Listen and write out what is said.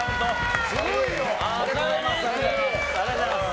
ありがとうございます！